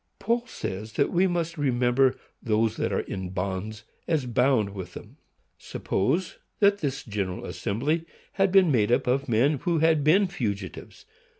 Paul says that we must remember those that are in bonds, as bound with them. Suppose that this General Assembly had been made up of men who had been fugitives.